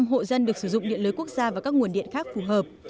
chín mươi chín hộ dân được sử dụng điện lưới quốc gia và các nguồn điện khác phù hợp